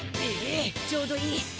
えいちょうどいい！